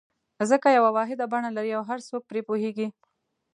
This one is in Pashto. ځکه یوه واحده بڼه لري او هر څوک پرې پوهېږي.